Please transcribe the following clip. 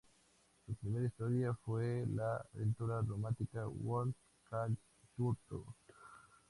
Su primera historia fue la aventura romántica "Whom Can I Turn To?